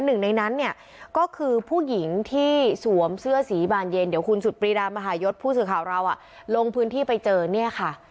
หนึ่งในนั้นเนี่ยก็คือผู้หญิงที่สวมเสื้อสีบานเย็นเดี๋ยวคุณสุดปรีดามหายศผู้สื่อข่าวเราลงพื้นที่ไปเจอเนี่ยค่ะ